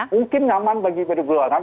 mungkin nyaman bagi pd perjuangan